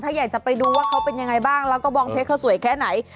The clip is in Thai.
ถ้าอยากจะไปดูว่าเขาเป็นยังไงบ้างแล้วก็บองเพชรเขาสวยแค่ไหน